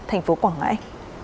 tp quảng ngãi